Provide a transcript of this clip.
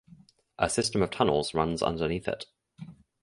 A system of tunnels runs underneath it.